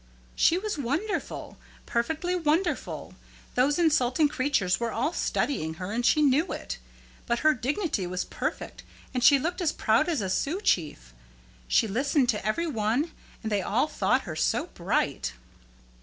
"She was wonderful perfectly wonderful! Those insulting creatures were all studying her, and she knew it. But her dignity was perfect, and she looked as proud as a Sioux chief. She listened to every one, and they all thought her so bright."